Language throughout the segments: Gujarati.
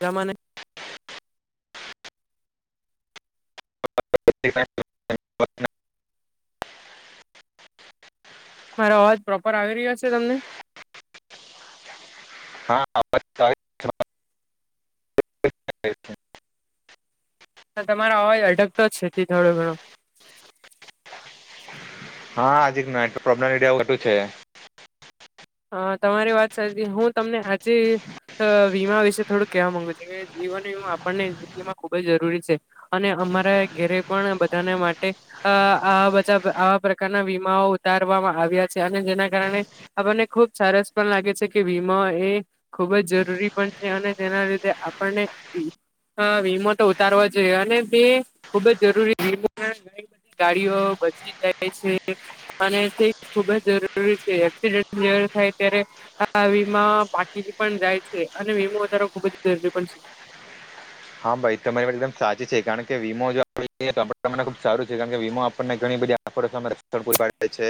તમને [unintelligible] મારો અવાજ પ્રોપર આવી રહ્યો છે, તમને હા, [unintelligible] [inaudible] તમારો અવાજ અડગતો જ છે, થી થોડો ઘણો હા હજી જએ પ્રબ્લેમ ટું છે. હ તમારી વાત સાચી હું તમને આજે. વીમા વિશે થોડુંક કહેવા માંગુ છે, કે જીવન વીમા આપણને જિંદગીમાં ખુબ જ જરૂરી છે. અને અમારા ઘેરે પણ બધાને માટે અઆ બધા આવા પ્રકારના વીમાઓ ઉતારવામાં આવ્યા છે, અને જેના કારણે આપણને ખુબ સરસ પણ લાગે છે, કે વીમા એ ખુબ જ જરૂરી પણ છે, અને તેના લીધે આપણને હા વીમો તો ઉતારો જોઈએ, અને તે ખુબ જ જરૂરી વો ગાડીઓ બચી જાય છે, અને તે ખુબ જ જરૂરી છે, એક્સિડન્ટ જરૂર થાય ત્યારે હ વીમા બાકીની પણ જાય છે, અને વીમો વધારે ખુબ જ જરૂરી પણ છે. હા ભાઈ તમારી માટે એકદમ સાચી છે, કારણ કે વીમો જો આપ તો મને ખુબ સારું છે, કારણ કે વીમ આપણને ઘણી બધી. સ્થળ બાકી છે.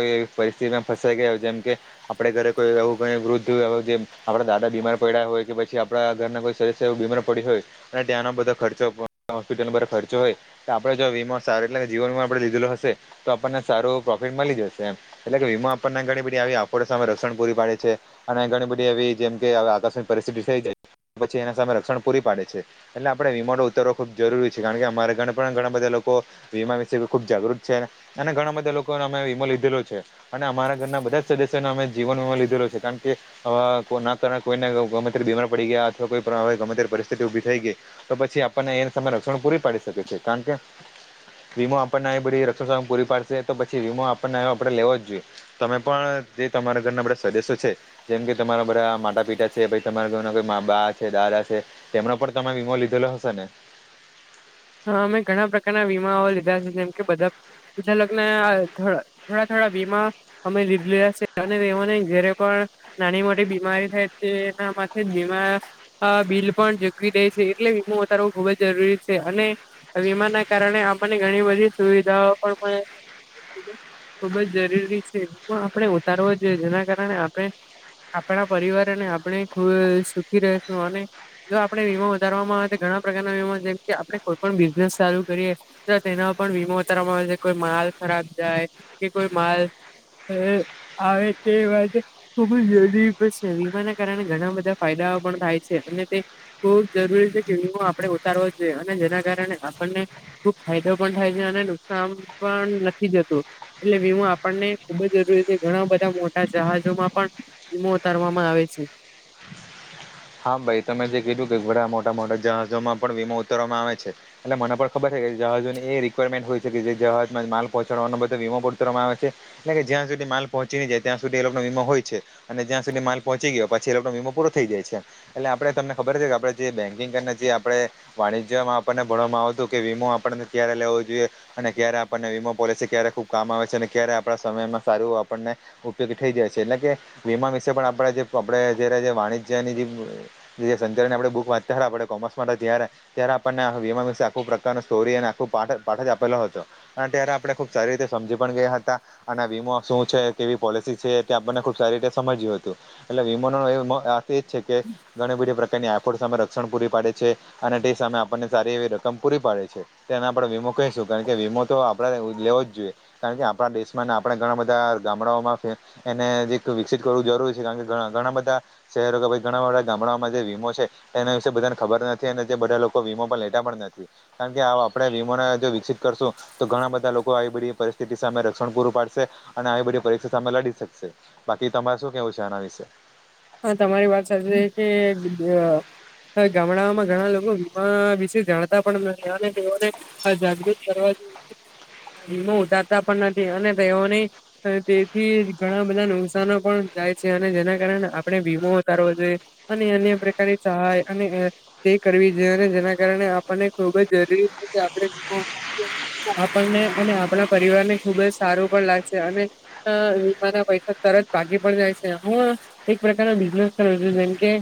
ઈ પરિસ્થિતિમાં ફસાઈ ગયા જેમ કે આપડે ઘરે કોઈ એવું કંઈ વૃદ્ધ જે આપડા દાદા બીમાર પડ્યા હોય કે પછ પછી આપણા ઘરના કોઈ સદસ્ય એવું બીમાર પડી હોય અને ત્યાંનો બધા ખર્ચો હોસ્પિટલ બધા ખર્ચો હોય તો આપણે જો વીમો સારું એટલે કે જીવન વીમાો આપડે લીધેલો હશે તો આપણને સારું પ્રોફિટ મળી જશે એમ એટલે કે વીમા આપણને ઘણી બધી આવી આપ સામે રક્ષણ પૂરી પાડે છે. અને ઘણી બધી એવી જેમ કે, આકસ્મિક પરિસ્થિતિ થઈ જાય પછી એના સામે રક્ષણ પૂરી પાડે છે. એટલે આપણે વિમોન ઉતરવો ખુબ જરૂરી છે, કારણ કે અમારે ઘણા બધા લોકો વીમા વિશે ખુબ જાગૃત છે, અને ઘણા બધા લોકોને અમે વીમો લીધેલો છે. અને અમારા ઘરના બધા જ સદસ્યોને અમે જીવનમાં લીધેલ છે, કારણ કેના કર કોઈને બીમાર પડી ગયા અથવા કોઈવે ગમે તે પરસ્થિતિ ઉભી થઈ ગઈ તો પછી આપણને એ સામે રક્ષણ પૂરી પાડી શકે છે, કારણ કે વીમો આપણનેધી રક્ષણ પૂરી પાડશે તો પછી વીમો આપણને આપણે લેવો જ જોઈએ તમે પણ જે તમારા ઘરના બધા સદસ્યો છે, જેમ કે તમારા બધા માટ પિતા છે. તમારા ઘરના કોઈ મા બા છે, દાદા છે, તેમનો પણ તમે વીમો લીધેલો હશે ને હા અમે ઘણા પ્રકારના વીમાઓ લીધા છે, જેમ કે બધા લગને થોડા થોડા વીમા અમે લીધે લીધા છે, અને એને જયારે પણ નાની મોટી બીમારી થાય તે એના માટે જ બીમાર આ બિલ પણ ઝગવી દે છે, એટલે વીમો વધારવો ખુબ જ જરૂરી છે. અને વીમાના કારણે આપને ઘણી બધી સુવિધાઓ પણ ખુબ જ જરૂરી છે, એ પણ આપણે ઉતારવો જોઈએ જેના કારણે આપણે આપણા પરિવાર અને આપણે ખુશ સુખી રહેશું અને જો આપણે વીમો વધારવામાં આવે તો ઘણા પ્રકારના વીમા છે, આપણે કોઈપણ બિઝનેસ ચાલુ કરીએ તો તેના પણ વીમો ઉતારવામાં આવે છે, કોઈ માલ ખરાબ જાય, કે કોઈ માલ આવે તેવા, ખુબ જરૂરી છે, વીમાના કારણે ઘણા બધા ફાયદાઓ પણ થાય છે, અને તે ખુબ જરૂરી છે, વિમો આપણે ઉતારવો જ જોઈએ, અને જેના કારણે આપણને ખુબ ફાયદો પણ થાય છે, અને નુકસાન પણ નથી જતું. એટલે વીમો આપણને ખુબ જ જરૂરી છે, ઘણા બધા મોટા જહાજોમાં પણ વીમો ઉતારવામાં આવે છે. હા ભાઈ તમે જે કીધું કે બઘા મોટા મોટા જહાજોમાં પણ વીમો ઉતરવામાં આવે છે. એટલે મને પણ ખબર છે કે જહાજોની એ રિક્વાયરમેન્ટ હોય છે કે જે જહાજમાં માલ પહોંચડવાનો બધો વીમો પ ઉતવામાં આવે છે. એટલે કે જ્યાં સુધી માલ પહોંચી ની જાય ત્યાં સુધી એ લોકોનો વીમો હોય છે. અને જ્યાં સુધી માલ પહોંચી ગયો પાછી એ લોકો વીમો પૂરો થઈ જાય છે. એટલે આપડે તમને ખબર છે કે આપડે જે બેન્કિંગ કરીને જે આપડે, વાણિજ્યમાં આપણને ભણવામાં આવતું કે વીમો આપણને ત્યારે લેવો જોઈએ, અને ક્યારે આપણને વીમો પોલિસી ક્યારે ખુબ કામ આવે છે અને ક્યારે આપણા સમયમાં સારું આપણને, ઉપયોગી થઈ જાય છે, એટલે કે વીમા વિશે પણ આપણે જે આપડે જ્યારે જે વાણિજ્યની જે, સંચારને આપડે બુક વાંચતા હા આપડે કોમર્સ માં હતા ત્યારે, ત્યારે આપણને વિમા વિશે આખો પ્રકાર ન સ્ટોરી અને આખું પા પાઠ જ આપેલો હતો. અને ત્યારે આપડે ખુબ સારી રીતે સમજી પણ ગયા હતા. અને વીમો શું છે કેવી પોલિસી છે તે આપણને ખુબ સારી રીતે સમજ્યું હતું. એટલે વિમાનો એર્થ એજ છે કે ઘણી બધી પ્રકારની આફોડ સામે રક્ષણ પૂરી પાડે છે. અને તે સામે આપણને સારી એવી રકમ પૂરી પાડે છે. તે એના આપડે વીમો કહીશું કારણ કે વીમો તો આપડે લેવો જ જોઈએ. કારણ કે આપણા દેશમાં આપણે ઘણા બધા ગામડાઓમાં પણ, એને જે વિકસિત કરવું જરૂરી છે કારણ કે ઘણા બધા શહેરો કે ભઇ, ઘણા બધા ગામડામાં જે વીમો છે એના વિશે બધાને ખબર નથી અને જે બધા લોકો વીમો પર લેતા પણ નથી. કારણ કે આપડે વીમોને જો વિકસિત કરશું. તો ઘણા બધા લોકો આવી બધી પરિસ્થિતિ સામે રક્ષણ પૂરું પાડશે અને આવી બધી પરિસ્થિતિ સામે લડી શકશે. બાકી તમારે શું કેવું છે આના વિશે? હા તમારી વાત સાચ કે, હવે ગામડામાં ઘણા લોકો વીમા વિશે જાણતા પણ નથી અને તેઓને, હ જાગૃત કરવા જોઈએ વિમો ઉતારતા પણ નથી અને તેઓની, અ તેથી ઘણા બધા નુકસાનો પણ જાય છે અને જેના કારણે આ પણે વીમો ઉતારવો જોઈએ અને અન્ય પ્રકારની સહાય અને ગણ તરી કરવી જોઈ અને જેના કારણે આપણને ખુબ જ જરૂરી છે કે આપણે વીમો ઉતારી, આપણને અને આપણા પરિવાર ને ખુબ જ સારું પણ લાગશે અને, વીમા ના પૈસા તરત પાકી પણ જાય છે હું, એક પ્રકારનો બિઝનેસ કર્યો છે જેમ કે,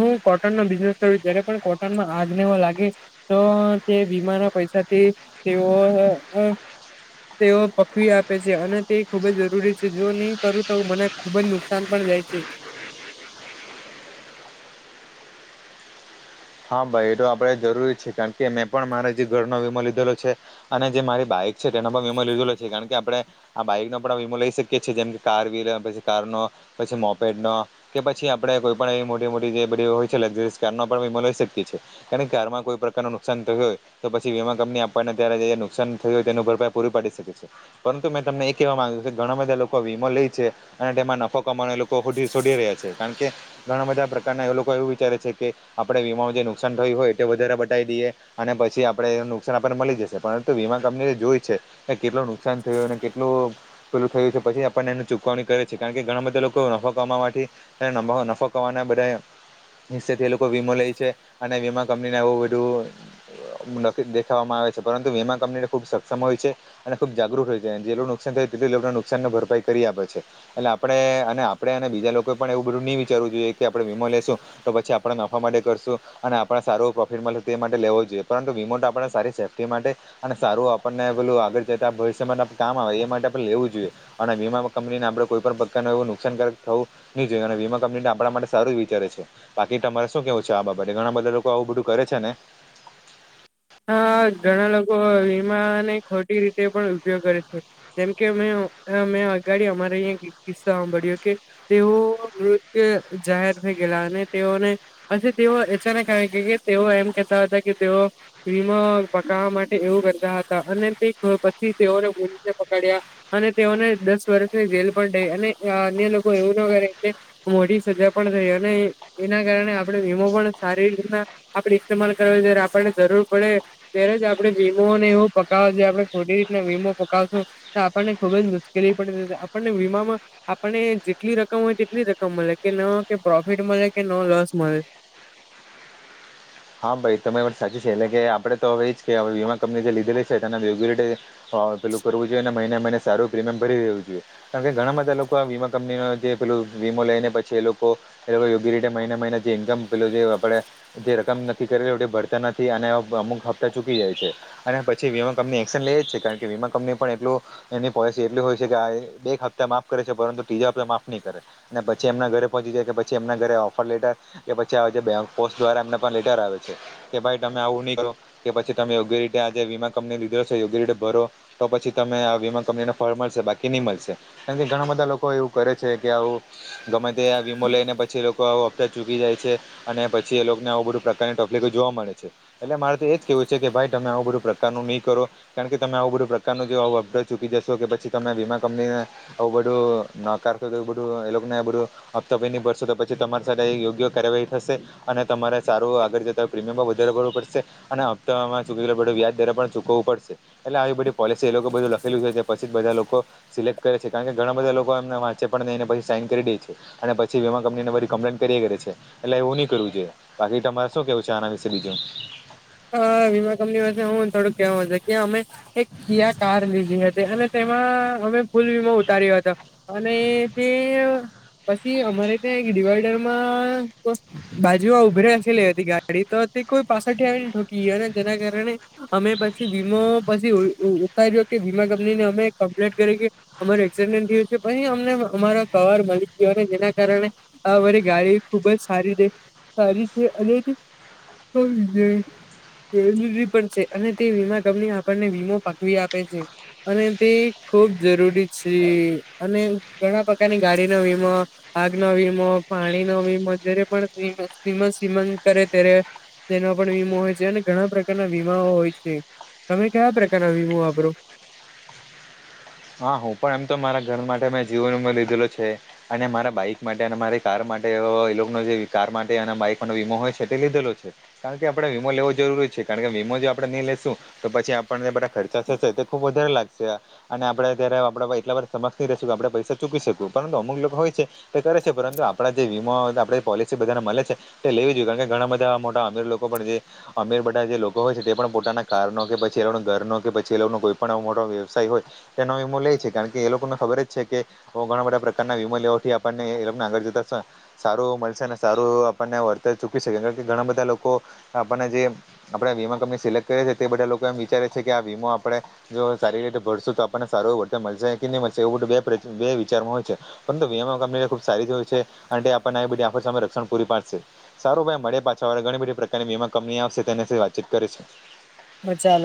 હું કોટનનો બિઝનેસ કરું જ્યારે પણ કોટનમાં આગ નેવો લાગે, તો તે વીમા ના પૈસાથી તેઓ, તેઓ પકવી આપે છે અને તે ખુબ જ જરૂરી છે જો નહી કરું તો મને, ખુબ જ નુકસાન પણ જાય છે. હા ભાઈ એ તો આપડે જરૂરી છે કારણ કે મેં પણ મારે જે ઘરનો વીમો લીધેલો છે. અને જે મારી બાઈક છે તેનો પણ વીમો લીધેલો છે કારણ કે આપડે, આ બાઇક નો પણ વીમો લઈ શકીએ છીએ જેમ કે કાર વ્હીલર પછી કાર નો, પછી મોપેડ નો કે પછી આપડે કોઈ પણ એવી મોટી મોટી જે બધી હોય છે લક્ઝરી કારનો પણ વીમો લઈ લઇ શકી છે કારણ કે કારમાં કોઈ પ્રકાર નુ નુકસાન થયું હોય, તો પછી વીમા કંપની આપણને ત્યારે જે નુકસાન થય હોય તેનું ભરપાઈ પૂરી પાડી શકે છે. પરંતુ મેં તમને એ કેહેવા માંગ્યું છે કે ઘણા બધા લોકો વીમો લેય છે. અને તેમાં નફો કમાવા એ લોકો ફો છોડી રહ્યા છે કારણ કે ઘણા બધા પ્રકારના એ લોકો એવું વિચારે છે કે આપડે વીમા જે નુકસાન થયું હોય તે વધારે બતાવી દઈએ અને પછી આપડે નુકસાન આપણને મળી જશે પરંતુ વીમા કંપની જોય છે. કેટલું નુકસાન થયું અને કેટલું પેલું થયું છે પછી આપણ એની ચૂકવણી કરે છે કારણ કે ઘણા બધા લોકો નફો કમાવવા માટે નફો કરવાના બધા હિસ્સેથી એ લોકો વીમો લે છે. અને વીમા કંપનીને એવું બધું દેખાવામાં આવે છે પરંતુ વીમા કંપનીને ખુબ સક્ષમ હોય છે. અને ખુબ જાગૃત હોય છે અને જેટલુ થયું તેથી લોકો નુકસાન થાય તેટલી લોકોને નુકસાનને ભરપાઈ કરી આપે છે. એટલે આપણે અને આપડે અને બીજા લોકો પણ એવું બધું નઈ વિચારવું જોઈએ કે આપણે વિમો લેેશું તો પછી આપડે નફા માટે કરશું અને આપણે સારું પ્રોફિટ મળે તે માટે લેવો જોઈએ પરંતુ વીમો તો આપણે સારી સેફ્ટી માટે અને સારું આપણને પેલું આગળ જતા ભવિષ્યમાં કામ આવે એ માટે આપણે લેવું જોઈએ અને વીમા કંપનીને આપડે કોઈ પણ પ્રકાર એવું નુકસાનકારક થવું [unintelligible] જોય અને વીમા કંપની આપણા માટે સારું જ વિચારે છે બાકી તમારે શું કેવું છે આ બાબ તે ઘણા બધા લોકો આવું બધું કરે છે ને. હા ઘણા લોકો વીમા ને ખોટી રીતે પણ ઉપયોગ કરે છે. જેમ કે મેં મેં અગાડી અમારે અહીં કિસ્સા સાંભળ્યો કે તેઓ મૃત જાહેર થઈ ગયેલા અને તેઓને પછી તેઓ એચાનેક [unintelligible] કે તેઓ એમ કેહેતા હતા કે તેઓ ફ્રીમાં પકવા માટે એવું કરતા હતા અને તે પછી તેઓને પોલીસે પકડ્યા અને તેઓને દસ વર્ષની જેલ પણ થઈ અને અન્ય લોકો એવું ના કરે [unintelligible] મોટી સજા પણ થઈ અને એના કારણે આપણે વિમો પણ સારી રીતના આપણે ઇસ્તેમાલ કરવો જ્યારે આપણને જરૂર પડે ત્યારે જ આપડે વીમોને એવું પકવા આપડે ખોટી રીતના વીમો પકાવશું આપણને ખુબ જ મુશ્કેલી પડી આપણને વીમામાં આપણને જેટલી રકમ હોય તેટલી રકમ મળે કે ન કે પ્રોફિટ મળે કે ન લોસ મળે. હા ભાઈ તમે એ પણ સાચી છે એટલે કે આપડે તો હવે એ જ કે વીમા કંપની જે લીધેલી છે તેના રેગ્યુલ હા, પેલું કરવું જોઈએ અને મહિને મહિને સારું પ્રીમિયમ ભરી દેવું જોઈએ. કારણ કે ઘણા બધા લોકો વીમા કંપની જે પેલું વીમો લઈને પછી એ લોકો એ લોકો યોગ્ય રીતે મહિના મહિના જે ઇન્કમ પેલુ જે આપડે જે નક્કી કરે એ ભરતા નથી અને અમુક હપ્તા ચૂકી જાય છે. અને પછી વીમા કંપની એક્શન લઈ જ છે કારણ કે વીમા કંપની પણ એટલું એની પોલિસી એટલી હોય છે કે આ એક હપ્તા માફ કરે છે પરંતુ ત્રીજા હપ્તા માફ નહીં કરે. અને પછી એમના ઘરે પહોંચી જાય કે પછી એમના ઘરે ઓફર લેટર કે પછી પોસ્ટ દ્વારા એમ લેટર આવે છે કે ભાઈ તમે આવું નહીં કરો કે પછી તમે યોગ્ય રીતે આજે વીમા કંપની લીધો છે એ યોગ્ય રીતે ભરો. તો પછી તમે આ વીમા કંપનીને ફળ મળશે બાકી નહીં મળશે. કેમ કે ઘણા બધા લોકો એવું કરે છે કે આવું ગમે તે વીમો લઈ ને પછી એ લોકો આવું હપ્તા ચૂકી જાય છે અને પછી એ લોકોને આવું બધું પ્રકારની તકલીફો જોવા મળે છે એટલે મારે તો એ જ કેહેવું છે કે ભાઈ તમે આવું બધું પ્રકારનું નહીં કરો કારણ કે તમે આવું બધું પ્રકારનું જે આવું [unintelligible] ચૂકી જશો કે પછી તમે વીમા કંપનીને આવું બધું નકાર બધું એ ને બધું હપ્તો ની ભરસો તો પછી તમારી સાથે યોગ્ય કાર્યવાહી થશે અને તમારે સારું આગળ જતા પ્રીમિયમ પણ વધારે કરવું પડશે અને હપ્તામાં વ્યાજ દ્વારા પણ ચૂકવું પડશે. એટલે આવી બધી પોલિસી એ લોકો બધું લખેલું છે પછી બધા લોકો સિલેક્ટ કરે છે કારણ કે ઘણા બધા લોકો એમને વાંચે પણ નહીં પછી સાઈન કરી દે છે. અને પછી વીમા કંપની ને વરી કમ્પ્લેન કયા કરે છે એટલે એવું નહીં કરવું જોઈએ. બાકી તમારે શું કેવું છે આના વિશે બીજું? હા વીમા કંપની વિશે હું થોડુંક કેહેવું છે કે અમે એક કિયા કાર લીધી હતી અને તેમાં અમે ફૂલ વીમો ઉતાર્યો હતો અને તે પછી અમારે ત્યાં એક ડિવાઈડરમાં બાજુમાં ઉભરી રાખેલી હતી ગાડી તો તે કોઈ પાછળથી આવીને ઠોકી ગયા ને જેના કારણે અમે પછી વીમો પછી ઉતારીો કે વીમા કંપનીને અમે કમ્પ્લેટ કરી કે અમાર એક્સિડેન્ટ થયું છે પછી અમને અમારો કવાર મળી ગયોને જેના કારણે આ મારી ગાડી ખુબ જ સારી સારી છે અને તો વિજય જરી પણ છે અને તે વીમા કંપની આપણને વીમો પાકવી આપે છે. અને તે ખુબ જરૂરી છે અને ઘણા પ્રકારની ગાડીના વીમા આગનો વીમો પાણીનો વીમો જ્યારે પણ સમ સીમન કરે ત્યારે તેનો પણ વીમો હોય છે અને ઘણા પ્રકારના વીમાઓ હોય છે. તમે કયા પ્રકારના વીમો વાપરો? હા હું પણ એમ તો મારા ઘર માટે મેં જીવન લીધેલો છે. અને મારા બાઈક માટે અને મારી કાર માટે એનો જે કાર માટે અને બાઈકનો વીમો હોય છે તે લીધેલો છે. કારણ કે આપડે વીમો લેવો જરૂરી છે કારણ કે વીમો જો આપણે નઈ લેેશું તો પછી આપણને બધા ખર્ચા થશે તે ખુબ વધારે લાગશે. અને આપણે ત્યારે આપણા એટલાવાર સમક્ષ નહીં રહેશું કે આપણે પૈસા ચૂકી શકું. પરંતુ અમુક લોકો હોય છે. તે કરે છે પરંતુ આપણા જે વીમા આપે પોલિસી બધાને મળે છે. તે લેવી જોયએ કારણ કે ઘણા બધા મોટા અમિર લોકો પણ જે અમીર બધા જે લોકો હોય છે તે પણ પોતાના કારનો કે પછી એ લોકો ઘરનો કે પછી એ લોકોનો કોઈ પણ મોટો વ્યવસાય હોય તેનો વીમો લે છે કારણ કે એ લોકોને ખબર જ છે કે ઘણા બધા પ્રકારના વીમો લેવાથી આપણનેને આગળ જતા સારું મળશે ને સારું આપણને વર્તર ચૂકી શકે કારણ કે ઘણા બધા લોકો આપણને જે આપણેે વીમા કંપની સિલેક્ટ કરીએ છીએ. તે બધા લોકો એમ વિચારે છે કે આ વીમો આપડે જો સારી રીતે ભરશું તો આપણને સારું એ વર્તન મળશે કે નહી મળશે એવું બધું બે બે વિચારમાંય છે. પરંતુ વમા કંપનીને ખુબ સારી જો હોવી છે અને આપણને બધી આમે રક્ષણ પૂરી પાડશે. સારું ભાઈ મળે પાછા વાળે ઘણી બધી પ્રકારની વીમા કંપની આવશે તેની વાતચીત કરીશું. હ ચાલ.